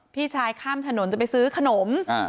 พี่ชายข้ามถนนจะไปซื้อขนม